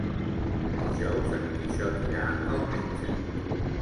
Dijous en Quixot irà al metge.